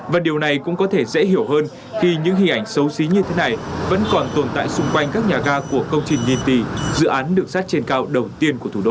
và điều này cũng có thể dễ hiểu hơn khi những hình ảnh xấu xí như thế này vẫn còn tồn tại xung quanh các nhà ga của công trình nghìn tỷ dự án được xét trên cao đầu tiên của thủ đô